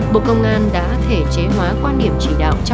bộ công an đã thể chế hóa quan điểm chỉ đạo